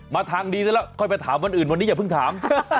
มาทางดีซะแล้วค่อยไปถามวันอื่นวันนี้อย่าเพิ่งถาม